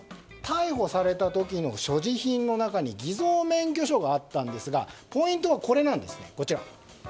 逮捕された時の所持品の中に偽造免許証があったんですがポイントはこれなんです。